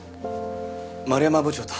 丸山部長と。